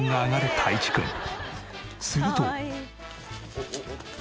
すると。